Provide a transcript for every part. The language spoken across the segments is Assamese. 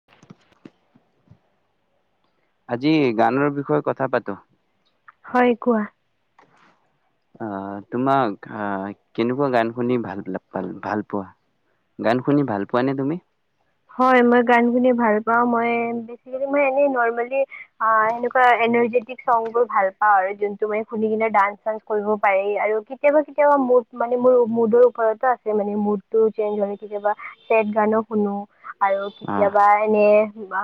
[inaudible] আজি গানৰ বিষয়ে কথা পাতো হয় কোৱা। অ' তোমাক কেনেকুৱা গান শুনি ভালাল ভাল পোৱা গান শুনি ভাল পোৱা নে তুমি? হয়, মই গান শুনি ভাল পাওঁ, মই বেচিকেলী মই এনেই নৰ্মেলী আ, এনেকুৱা এনাৰ্জেটিক চংবোৰ ভাল পাওঁ আৰু যোনটো মই শুনি কিনে ডান্স চান্স কৰিব পাৰি। আৰু কিতিয়াবা, কিতিয়াবা মোৰ, মোৰ মানে মোডৰ ওপৰতো আছে মানে, মোডটো চেইনজ হ'লে কেতিয়াবা চেড‌ গান শুনো। আৰু আহ কেতিয়াবা এনে বা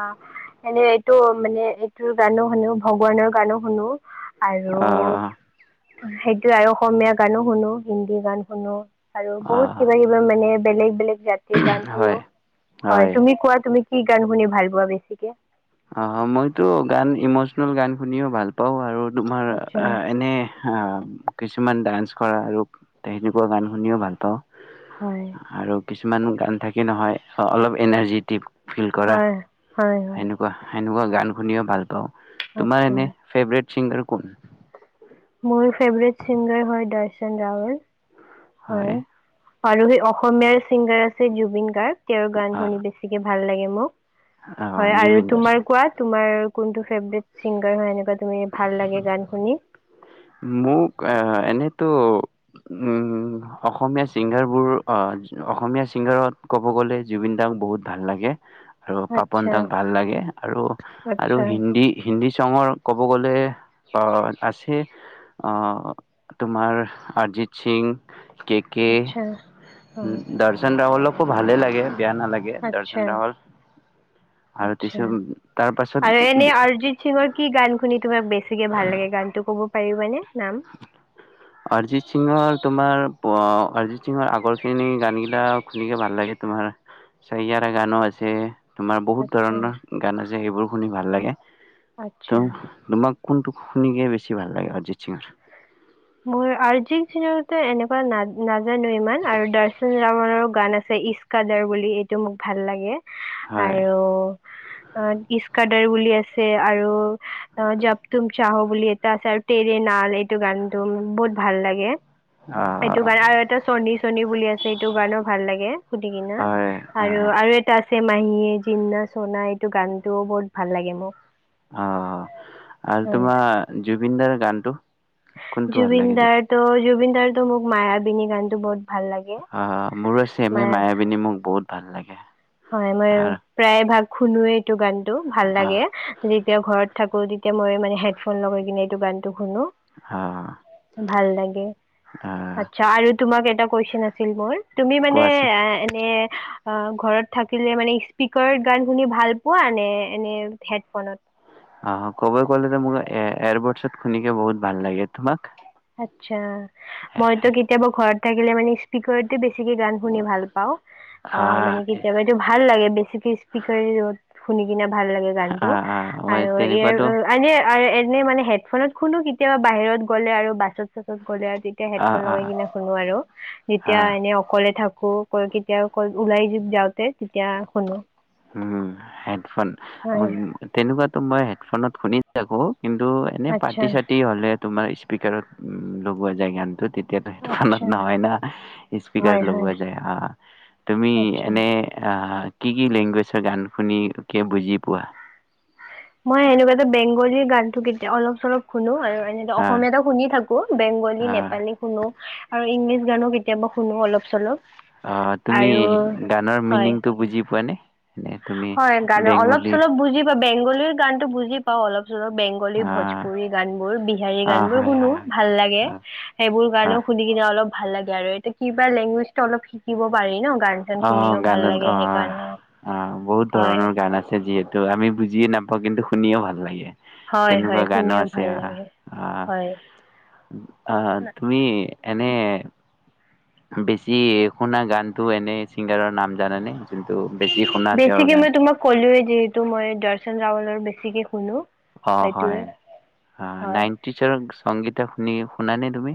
এনে এইটো মানে এইটোৰ গানো শুনো ভগৱানৰ গানো শুনো। আৰু আহ সেইটোয়ে আৰু অসমীয়া গানো, শুনো হিন্দী গান শুনো। আৰু আহ বহুত কিবা, কিবি মানে বেলেগ, বেলেগ জাতিৰ গান শুনো। হয় হয়, তুমি কোৱা? তুমি কি গান শুনি ভাল পোৱা বেছিকে? অ', মইতো গান ইমচনেল গান শুনিও ভাল পাওঁ আৰু তোমাৰ আচ্ছা এনে আ কিছুমান ডান্স কৰা আৰু তেনেকুৱা গান শুনিও ভাল পাওঁ। হয়। আৰু কিছুমান গান থাকি নহয়, অলপ এনাৰ্জিটিভ হয়, হয়, হয়। সেনেকুৱা গান শুনিও ভাল পাওঁ। তোমাৰ আচ্ছা এনে ফেভৰেট [inaudible] কম মোৰ ফেভৰেট ছিংগাৰ হয় দৰ্শন ৰাৱল। হয়। আৰু সেই অসমীয়াৰ ছিংগাৰ আছে জুবিন গাৰ্গ। এৰ গান শুনি বেছিকে ভাল লাগে মোক। অ হয় আৰু জুবিনদাৰ তোমাৰ কোৱা তোমাৰ? কোনটো ফেভট চিংগাৰ হয় এনেকুৱা তুমি ভাল লাগে গান শুনি মোক এ এনেতো উ অসমীয়া চিংগাৰবোৰ আহ অসমীয়া চিংগাৰত ক'ব গ'লে জুবিন দাক বহুত ভাল লাগে। আৰু পাপন আচ্ছা দাক ভাল লাগে আৰু আৰু আচ্ছা হিন্দী হিন্দী চঙৰ ক'ব গ'লে আছে আহ তোমাৰ অৰিজিত সিং কে কে, আচ্ছা হয় দৰ্শন ৰাহল খুব ভালেই লাগে। বেয়া নালাগে দৰ্শন আচ্ছা ৰাৱল আৰু কিছু আচ্ছা তাৰ আৰু পাছত এনে অৰিজিত সিঙৰ কি গান শুনি তোমাক বেছিকে ভাল লাগে গানটো কব পাৰিব নে ন অৰিজিত সিঙৰ তোমাৰ অৰিজিত সিঙৰ আগৰখিনি গান গিলা শুনিকে ভাল লাগে তোমাৰ চাইয়াৰা গানো আছে। তোমাৰ বহুত আচ্ছা ধৰণৰ গান আছে সেইবোৰ শুনি ভাল লাগে। আচ্ছা ত তোমাক কোনটো গেন বেছি ভাল লাগে অৰিজিত সিংৰ? মোৰ অৰ্জিত সিং এনেকুৱা ন নাজানো ইমান আৰু দৰ্শন ৰাৱনৰো গান আছে ইচ্কাদাৰ বুলি এইটো মোক ভাল লাগে। হয় আৰু অ' ইচ্কাডাৰ বুলি আছে আৰু অ' জাপতুম চাহ বুলি এটা আছে আৰু টেৰে নাল এইটো গান ম বহুত ভাল লাগে। সেইটো আহ কাৰণে আৰু এটা চনিশ চনী বুলি আছে এইটো গানে ভাল লাগে সুধ কি ন হয় আৰু আহ আৰু এটা চছেমাহীয়ে জিনা চনা এইটো গানটোোও বহুত ভাল লাগে মোক। অ' আৰু তোমাৰ জুবিনদাৰ গানটো কোনটো ভাল লাগে জুবিনদাৰ ত জুবিন মোক মায়াবিনী গানত বহুত ভাল লাগে অ', মোৰ চেমে মায়া মায়াবিনী মোক বহুত ভাল লাগে। হয় মই আৰু প্ৰায় ভাগ শুনোৱে এইটো গান। টো ভাল আহ লাগে যেতিয়া ঘৰত থাকো তেতিয়া মই মানে হেডফোন লগাই কিনে এইটো গান টো শুনো আহ ভাল লে আহ আচ্ছা আৰু তোমাক এটা কোৱেচন আছিল মোৰ। তুমি মানে কোৱাচোন অ', এনে অ', ঘৰত থাকিলে মানে স্পিকাৰত গান শুনি ভাল পোৱা নে এনে হেডফোনত? অ', ক'ব গ'লে যে মোক এয়াৰবৰ্টচত শুনিকে বহুত ভাল লাগে, তোমাক? আত্ছা মইতো কেতিয়াবা ঘৰত থাকিলে মানে স্পিকাৰ দি বেছ বেছিকে গান শুনি ভাল পাওঁ অ' আহ মানে কেতিয়াবা এইটো ভাল লাগে বেছিকে স্পিকাৰ শুনি কিনে ভাল লাগে গানটো আহ আহ মই আৰু তেনেকুৱাতো ইয়ে আগে আৰু এনেই মানে হেডফোনত শুনো কেতিয়াবা বাহিৰত গ'লে আৰু বাচত চাসত গলে তেতিয়া আহ হেডফোন আহ লগাই কিনে শুনো আৰু যেতিয়া আহ এনে অকলে থাকো আকৌ ক কেতিয়া ওলাই য যাওঁতে তেতিয়া শুনো উম হেডফোন হয় তেনেকোৱাতো মই হেডফোনত শুনি থাকো কিন্তু এনেই আচ্ছা পাৰ্টি চাৰ্টি হ'লে তোমাৰ স্পিকাৰত লগোৱা যায় গানটো তেতিয়া এতিয়াতো সেইটো ফনত আচ্ছা নহয় না স্পিকাৰ হয় হয় লোৱা যায় আহ তুমি আচ্ছা এনে আহ কি কি লেংগুৱেজ ত গান শুনি কিয় বুজি পোৱা মই সেনেকুৱাতো বেংগলীৰ গানটো কেতিয়া অলপ চলপ শুনো আৰু এনেো আহ অসমীয়াটো শুনি থাকো বেংগলী আহ নেপালী শুনো আৰু ইংলিছ গানো কেতিয়াবা শুনো অলপ চলপ অ তুমি আৰু গানৰ হয় মিনিংটো বুজি পোৱানে হয় গানে অলপ চলপ বুজি পাব বেংগলীৰ গানটো বুজি পাওঁ অলপ বেংগলী আহ ভোজপুৰী গান বোৰ বিহাৰী আহ গান বোৰ হয় শুনো হয় হয় ভাল লাগে সেইবোৰ আহ গানো শুনি কিনে অলপ ভাল লাগে আৰু এয়া কিবা লেংগুৱেজটো অলপ শিকিব পাৰি ন গান চান অ শুনিও গান ভাল লাগে অ সেইকাৰণে অ বহুত হয় ধৰণৰ গান আছে যিহেতু আমি বুজিয়ে নাপাওঁ কিন্তু শুনিয়ো ভাল লাগে হয় তেনেকোৱা হয় গানো শুনিও আছে ভাল আহ লাগে আহ হয় আহ তুমি এনে বেছি শুনা গানটো এনে চিংগাৰৰ নাম জানা নে যোনটো বেছি শুনা তেওঁৰ বেছিকে গান? মই তোমাক ক'লোয়েই যিহেতু মই দৰ্শন ৰাৱলৰ বেছিকে শুনো অ সেইটোৱে হয় হয় নাইনটি চনত সংগীতা শুনি শুনা নে তুমি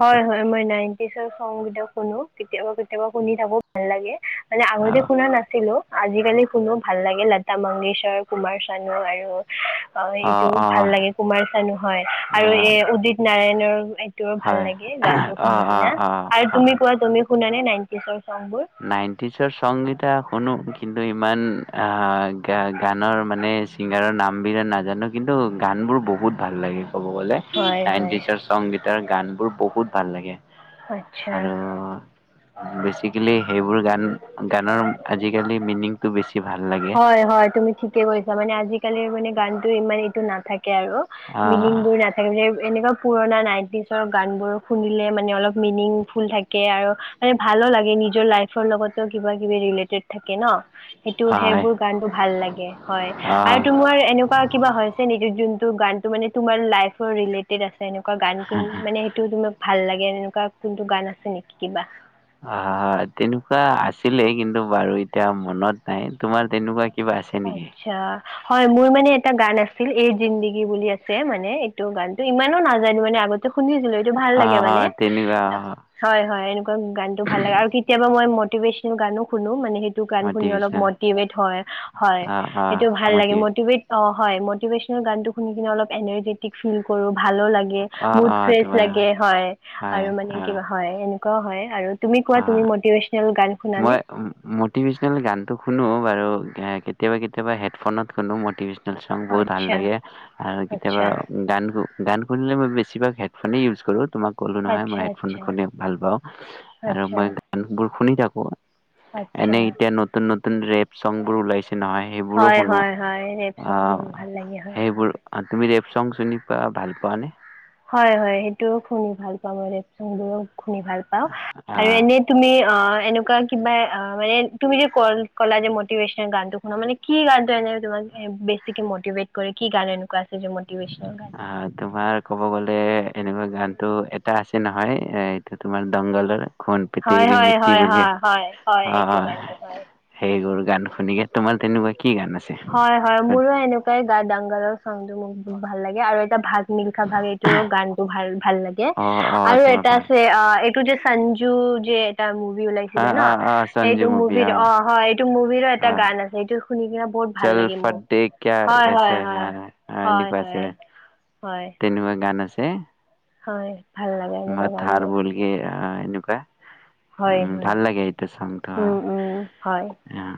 হয় হয় মই নাইনটিজৰ চং কেতিয়াবা শুনো কেতিয়াবা কেতিয়াবা শুনি থাকো ভাল লাগে মানে আগতে শুনা নাছিলো আজিকালি শুনো ভাল লাগে লতা মংগেশৰ কুমাৰ চানু আৰু অ', এইটো ভাল লাগে কুমাৰ চানু হয় আৰু আহ এ উদিত নাৰায়ণ এইটো ভাল হয় লাগে গানটো অ শুনি অ কিনা অ আৰু তুমি কোৱা তুমি শুনা নে নাইনটিছৰ? নাইনটিছৰ সংগীতা শুনো কিন্তু ইমান গ গানৰ মানে ছিংগাৰৰ নামবিলাক নাজানো কিন্তু গানবোৰ বহুত ভাল লাগে। ক'ব গ'লে হয় হয় ননটগটাৰ গানবোৰ বহুত ভাল লাগে। আচ্ছা আৰু বেছি প্লে সেইবোৰ গান গানৰ আজিকালি মিনিংটো বেছি ভাল লাগে। হয় হয় তুমি ঠিকে কৈছা মানে আজিকালিৰ মানে গানতো ইমান এইটো নাথাকে আৰু মিনিং আহ বোৰ নাথাকিলে এনেকুৱা পুৰণা নাইটিচৰ গান বোৰ শুনিলে মানে অলপ মিনিং ফুল থাকে আৰু মানে ভালো লাগে নিজৰ লাইফ লগতো কিবা কিবি ৰিলেটেড থাকে ন? সেইটো হয় সেইবোৰ গানটো ভাল লাগে হয় আহ আৰু তোমাৰ এনেকুৱা কিবা হৈছে নি যোন গানটো মানে তোমাৰ লাইফৰ ৰিলেটেড আছে? এনেকুৱা গান কিন মানে সেইটো তোমাক ভাল লাগে এনেকুৱা কোনটো গান আছে নেকি কিবা? অ' তেনেকুৱা আছিলে কিন্তু বাৰু এতিয়া মনত নাই তোমাৰ তেনেকুৱা কিবা আছে নেকি? আচ্ছা হয় মোৰ মানে এটা গান আছিল এ জিন্দগী বুলি আছে মানে এইটো গানতটো ইমানো নাজানো মানে আগতে শুনিছিলো ভাল লাগে মানে তেনেকুৱা অ, হয় হয়। গানটো ভাল লাগে আৰু কেতিয়াবা মই মটিভেশনেল গানো শুনো মানে গান শুনি অলৱ মটিভেশ্যনেল। মতি ভেত হয়। আহ, আহ, সেইটো ভাল লাগে মটিভেশ্যন মতিভেট অ' হয় মটিভেশচনেল গানটো শুনি অলপ এনাজেতিক ফিল কৰো। ভালো লাগে আহ, মুড আহ, ফ্ৰেচ তোমাৰ লাগে হয় আৰু মানে কিবা হয় এনে ক হয় অ' গান শুনানে মই মটিভেশচনেল গানতটো শুনো বাৰু। কেতিয়াবা কেতিয়াবা হেডফোনত কোনো মতিভেশ চ বহুত ভাল আচ্ছা লাগে আৰু কেতিয়াবা আচ্ছা গান গান শুনিলে মই বেছিভাগ হেডফোনেই ইউজ কৰোঁ। তোমাক ক'লো নহয় মই আচ্ছা হেডফোন আচ্ছা শুনি ভাল পাওঁ, আচ্ছা মই গান শুনো। শুনি থাকো। আচ্ছা এনেই এতিয়া নতুন নতুন ৰেপ চং বোৰ ওলাইছে নহয়, সেইবোৰো হয় শুনো। হয় হয় ৰেপ আহ, চংবোৰ ভাল লাগে হয় সেইবোৰ অ তুমি ৰেপ চং চিনি পোৱা, ভাল পোৱানে? হয় হয় সেইটোও খুউব ভাল পাওঁ মই ৰেপ চং বোৰো শুনি ভাল পাওঁ। আৰু আহ এনেই তুমি, অহ এনেকুৱা কিবা, মানে তুমি যে ক কলা যে মটিভেশচনেল গানটো শুনা, মানে কি গানটো এনে তোমাক বেছিকে মটিভেট কৰে, কি গান এনেকুৱা আ ছিলে মটিভেচনৰ গান। আহ তোমাৰ ক'ব গ'লে এনেকুৱা গানটো এটা আছে নহয়, এইটো তোমাৰ দংগলৰ। খুন হয় পিতেৰি হয়, মিটি হয় বুলি হয়, হয়, হয়, অ এইটো কাৰণতে হয়। সেইবোৰ গান শুনিয়ে তোমাৰ তেনেকুৱাকে হয় হয়, মোৰো এনেকুৱাই ডা, ডাঙ্গলৰ মোক বহুত ভাল লাগে, আৰু এটা ভাগ মিলা ভাগ এইটো গানটো ভাল ভাল লাগে, অ অ আৰু তোমাৰ এটা ভাল আছে অ এই টো যে সঞ্জু যে এটা মূ ভি অ উলাইছিলে ন, অ অ সঞ্জু সেইটো মুভি মভিত, অ হয় এইটো মুভিৰো এটা অ গান আছে, এইটো শুনিকিনে বহুত ভাল চল লাগে ফট মোক দে ক্যা হয় হয় এসে হয় য়াৰা, আ হয় এনেকুৱা হয় কে, হয় তেনেকুৱা গান আছে। হে? হয়। ভাল লাগে এনেকুৱা গান বোৰ। অ এনেকুৱা উ ভাল লাগে এইটো চামটো হা, উম উম হয় আহ।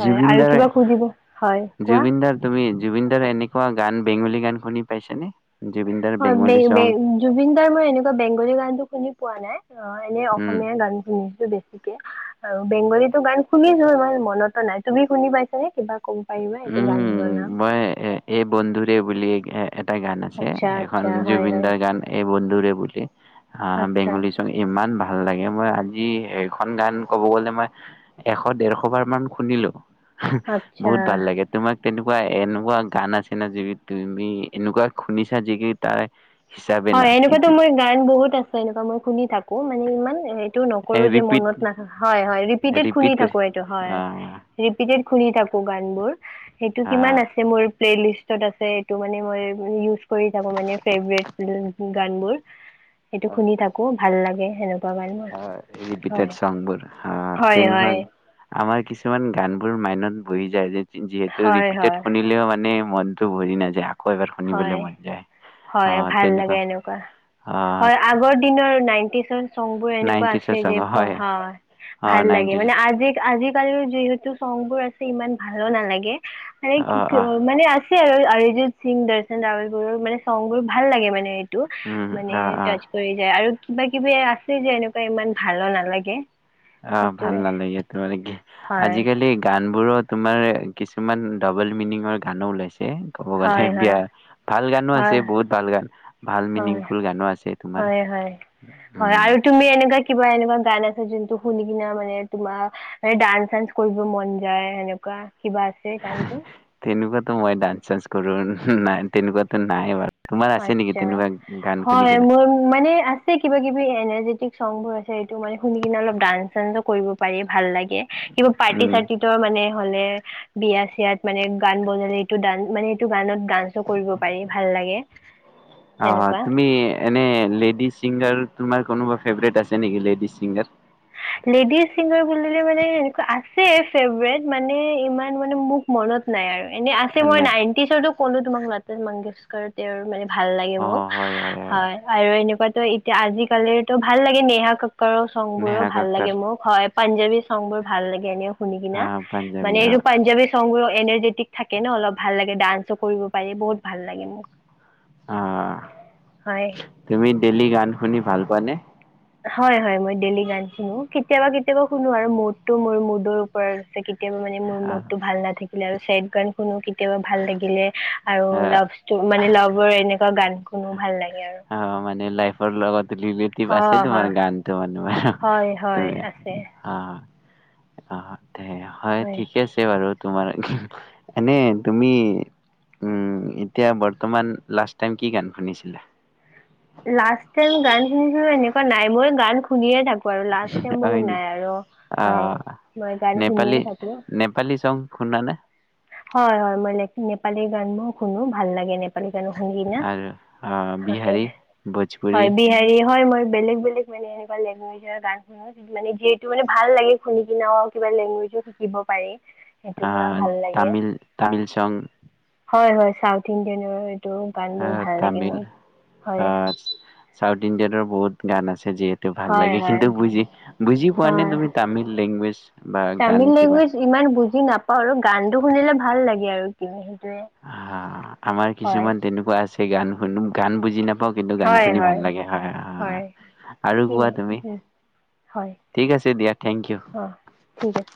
হয়। আৰু কিবা খুজিব, হয়। কোৱা জুবিন দাৰ তুমি জুবিন দাৰ এনেকুৱা গান, বেংগলী গান শুনি পাইছানে? জুবিন দাৰ বেংগলী চং হয় জুবিন দাৰ মই এনেকুৱা বেংগলী গানটো শুনি পোৱা নাই, এনে উম অসমীয়া গান শুনো বেছিকে। আৰু বেংগলীতো গান শুনিছিলো, মোৰ মনতো নাই তুমি শুনি পাইছা নে? কিবা ক'ব পাৰিবা এইটো উম গানৰ নাম মই এই বন্ধুৰে বুলি এ এটা গান আছে আচ্ছা সেইখন আচ্ছা হয় জুবিন হয় দাৰ গান এই বন্ধু ধৌৰে বুলি। আহ আচ্ছা বেংগলী চং ইমান ভাল ভাল লাগে মই আজি এখন গান ক'ব গলে মই এশ ডৰশ বাৰ মান শুনিলো। হ ও বহুত ভাল আচ্ছা লাগে তোমাক তেনেকুৱা এনেকুৱা গান আছে না যি তুমি এনেকুৱা শুনিছা যিকি তাৰ হিচাপে হয় নাই এনেকুৱাতো মই গান বহুত আছে এনেকুৱা মই শুনি থাকো। আকৌ মানে ইমান একো নকৰো যে মই ৰিপিট মদ নাখা হয় হয় ৰিপিটেড শুনি ৰিপিট কৰি থাকো এইটো হয় আহ ৰিপিটেড শুনি থাকো গান বোৰ। সেইটো হা কিমান আছে মোৰ প্লে লিষ্ট চেব আছে এটো মানে মই ইউজ কৰি থাকো মানে ফেভৰেট উম গানবোৰ সেইটো শুনি থাকো। ভাল লাগে সেনুক হয় ৰিপিডেট চংগবোৰ হা হয় তেনুকা হয় আমাৰ কিছুমান গান বোৰ মাইনত বহি যায় যে যিহেতু হয় ৰিপিটেড হয় শুনিলেও মানে মনতটো ভৰি নাযায় আকৌ এবাৰ শুনিবলৈ হয় মন যায় অ হয় ভাল লাগে তেনেকুৱা এনেকুৱা অ হয় আগ দিনৰ নাইটি চনগ বোৰ এনেকুৱা আছে নাইনটিজৰ চং যে ভ হয় হা অ ভাল লাগে নাইনটিজ মানে আজি আজি যিহেতু চং বোৰ আছে ইমান ভালো নালাগে মানে কি অ অ মানে আ ছে আৰু এই যে সিং দৰ্শন ৰাউলবোৰৰ মানে চনগবোৰ ভাল লাগে মানে ৰ উম মানে অ অ টাচ কৰি যায় আৰু কিবা কিবি আছে যে এনেকুৱা ইমান ভালো নালাগে। অ ভাল সেইটোৱে নালাগে তোমাৰ হয় আজিকালি গান বোৰো তোমাৰ কিছুমান ডাবল মিনিঙৰ গানো ওলাইছে ক'ব গলে হয় বিয়া হয় ভাল গানো আছে হয় বহুত ভাল গান ভাল হয় মিনিংফুল গানো আছে তোমাৰ হয় হয় হয় উম আৰু তুমি এনেকুৱা কিবা এনেকুৱা গান আছে যোনটো শুনি কিনা মানে তোমাৰ ডান্স চানস কৰিব মন যায় সেনেকুৱা কিবা আছে গানটো তেনেকুৱাতো মই ডান্স চানস কৰো নাই তেনেকুৱাতো নাই বাৰু। তোমাৰ আছে নেকি আচ্ছা, তেনেকুৱা গান শুনি হয় কিনে মোৰ মানে আছে কিবা কিবি এনে চংবোৰ আছে সেটো মানে শুনি কিনে অলপ ডান্চ চান্চো কৰিব পাৰি। ভাল লাগে কিবা পাৰ্টি উম চাৰ্টিটো মানে হ'লে বিয়া চিয়াত মানে গান বনালে এইটো গান মানে এইটো গানত ডান্সো কৰিব পাৰি ভাল লাগে। অ', সেনেকুৱা তুমি এনে লেডিজ চিংগাৰ তোমাৰ কোনোবা ফেভৰেট আছে নেকি লেডিজ চিংগাৰ? লেডিজ ছিংগাৰ বুলিলে মানে এনেকুৱা আছে ফেভৰেট মানে ইমান মানে মোক মনত নাই আৰু। এনে আছে মই নে নাইনটিচতো ক'লো তোমাক লাতা মংগেশকাৰ তেওঁৰ মানে ভাল লাগে মোক হয় আৰু এনেকুৱা ত' এতিয়া আজিকালিতো ভাল লাগে নেহা কাপ কৰ চংবোৰো নেহা কক্কৰ লাগে মোক হয়। পাঞ্জাবী চং বোৰ ভাল লাগে এনেও। শুনি অ কিনে পাঞ্জাৱী মানে অ পাঞ্জাৱী এনাৰ্জেটিক থাকে ন' অলপ ভাল লাগে ডান্সো কৰিব পাৰি বহুত ভাল লাগে মোক। অ' হয় তুমি? লি গান শুনি ভাল পোৱানে? হয় হয় মই ডেইলি গান শুনো কেতিয়াবা কেতিয়াবা শুনো আৰু মুডটো মোৰ মুডৰ ওপৰত কে মানে মোৰ অ মুডতো ভাল নাথাকে। আছিলে আৰু চাইদ গান শুনো কেতিয়াবা ভাল লাগিলে। আৰু লভ মানে লভ ৰ এনেকুৱা গান শুনো ভাল লাগে। আৰু অ' মানে লাইফৰ লগত [unintelligible] আছে হয় তোমাৰ হয় গানটোো মান হয় হয় তুমি আছে অ' অ'। হয় ঠিকে আছে বাৰু। তোমাৰ এনে তুমি উম এতিয়া বৰ্তমান লাষ্ট টাইম কি গান শুনিছিলা? লাষ্ট টাইম গান শুনিছিলো এনেকুৱা নাই মই গান শুনে থাকো। লাষ্ট টাইম বুলি হয় নি? নাই আৰু হয় আহ মই গান শুনে থাকো। শুনানে? হয় হয় মই ল নেপালী গান মোৰ শুনো ভাল লাগে নেপালী। [unintelligible] আৰু আহ হয় বিহাৰী, ভোজপুৰী, হয় বিহাৰী হয় মই বেলেগ বেলেগ মানে এনেকুৱা লেংগুৱেজৰ গান শুনো মানে যিহেতু মান ভাল লাগে শুনি কিনেও কিবা লেংগুৱেজো শিকিব পাৰি। সেইটোৰ পৰা আহ ভাল লাগে তামিল তামিল চং হয় হয় সাউথ ইণ্ডিয়ান তটো গানবোৰ আহ ভাল লাগে তামিল মোক হয়। আহ চাউথ ইণ্ডিয়াতৰ বহুত গান আছে। যিহেতু ভাল হয় লাগে হয় কিন্তু বুজি বুজি পোৱা নে হয় তুমি তামিল লেংগুৱেজ? বা গান তামিল কিবা? লেংগুৱেজ ইমান বুজি বুজি নাপাওঁ আৰু গানটো শুনিলে ভাল লাগে আৰু কি সেইটোৱে অ' আমাৰ হয় কিছুমান তেনেকুৱা আছে সেই গান শুনো গান বুজি নাপ কিন্তু গান শুনি ভাল লাগে হয়, আৰু ঠিক কোৱা আছে তুমি। উম, হয় ঠিক আছে দিয়া থেংক ইউ। অ ঠিক আছে